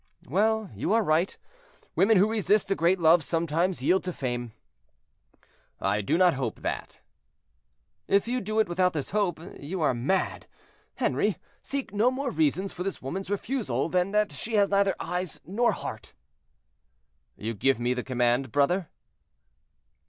"Well, you are right. Women who resist a great love sometimes yield to fame." "I do not hope that." "If you do it without this hope you are mad. Henri, seek no more reasons for this woman's refusal than that she has neither eyes nor heart." "You give me the command, brother?"